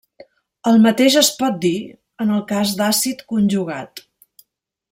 El mateix es pot dir en el cas d'àcid conjugat.